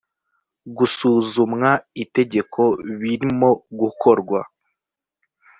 gusuzumwa itegeko birmo gukorwa